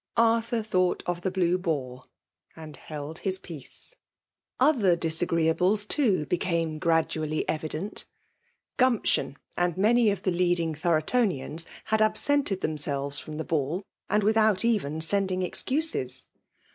Arthur thought of the Blue Boar, and held his peace. Other disagreeables, too, became graduaUy evident. Gumption and many of the leading Thorotonians, had absented themselves from the ball, and without even sending excuses.